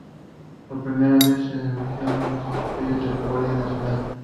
Por primera vez se denunciaban los atropellos de la Guardia Nacional.